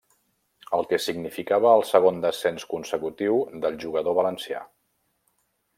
El que significava el segon descens consecutiu del jugador valencià.